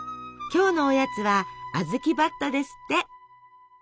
今日のおやつはあずきばっとですって。